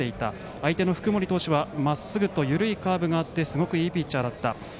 相手の福盛投手はまっすぐと緩いカーブがあってすごくいいピッチャーだった。